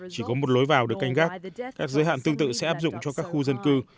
chỉ có một lối vào được canh gác các giới hạn tương tự sẽ áp dụng cho các khu dân cư